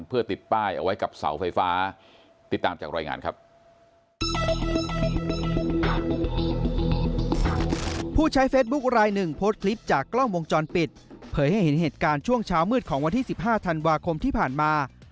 เพื่อติดป้ายเอาไว้กับเสาไฟฟ้า